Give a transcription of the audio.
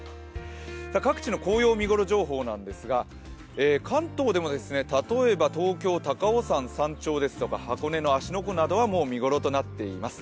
各地の紅葉見頃情報なんですが関東でも例えば東京・高尾山の山頂ですとか箱根の芦ノ湖などはもう見ごろとなっています。